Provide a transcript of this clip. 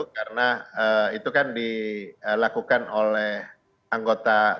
karena itu kan dilakukan oleh anggota